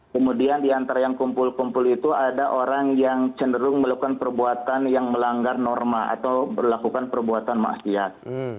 kemudian diantara yang kumpul kumpul itu ada orang yang cenderung melakukan perbuatan yang melanggar norma atau melakukan perbuatan maksiat